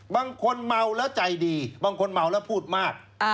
บางคนเมาแล้วใจดีบางคนเมาแล้วพูดมาก